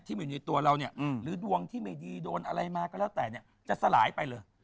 อยู่ในตัวเราเนี่ยหรือดวงที่ไม่ดีโดนอะไรมาก็แล้วแต่เนี่ยจะสลายไปเลย